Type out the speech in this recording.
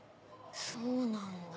そうなんだ。